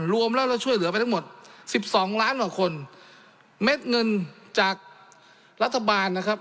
รวมแล้วเราช่วยเหลือไปทั้งหมดสิบสองล้านกว่าคนเม็ดเงินจากรัฐบาลนะครับ